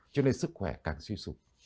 cho nên sức khỏe càng suy sụp